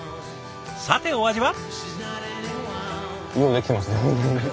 さてお味は？